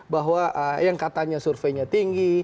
bahwa yang katanya surveinya tinggi